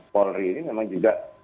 polri ini memang juga